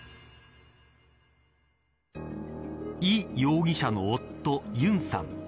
イ容疑者の夫、ユンさん。